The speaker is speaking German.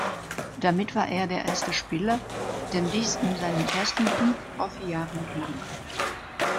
Damit war er der erste Spieler, dem dies in seinen ersten fünf Profijahren gelang.